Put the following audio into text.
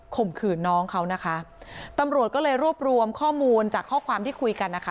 ข่มขืนน้องเขานะคะตำรวจก็เลยรวบรวมข้อมูลจากข้อความที่คุยกันนะคะ